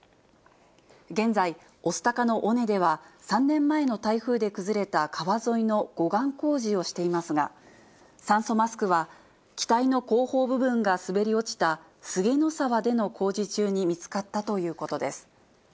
現在、御巣鷹の尾根では、３年前の台風で崩れた川沿いの護岸工事をしていますが、酸素マスクは、機体の後方部分が滑り落ちたスゲノ沢での工事中に見つかったということです。